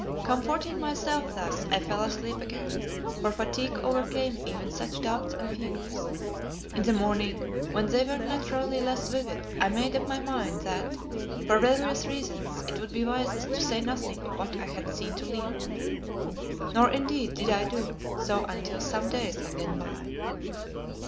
Comforting myself thus I fell asleep again, for fatigue overcame even such doubts and fears. In the morning, when they were naturally less vivid, I made up my mind that, for various reasons, it would be wisest to say nothing of what I had seen to Leo. Nor, indeed, did I do so until some days had gone by.